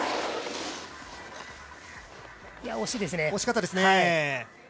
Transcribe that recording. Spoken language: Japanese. おしいですね。